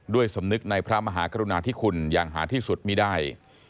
สำนึกในพระมหากรุณาธิคุณอย่างหาที่สุดไม่ได้